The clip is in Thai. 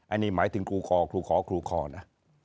อันนี้หมายถึงครูคอครูคอครูคอนะ